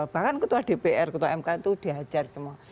bahkan ketua dpr ketua mk itu dihajar semua